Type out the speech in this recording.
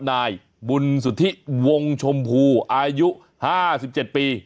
นายบุญสุธิวงชมพูอายุ๕๗ปี